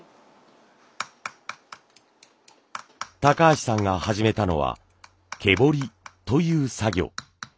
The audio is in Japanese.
高橋さんが始めたのは毛彫りという作業。